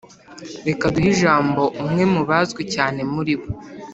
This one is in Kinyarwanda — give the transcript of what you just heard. reka duhe ijambo umwe mu bazwi cyane muri bo